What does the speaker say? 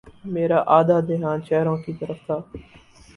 میرا آدھا دھیان چہروں کی طرف تھا۔